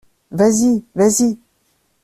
Vas-y, vas-y!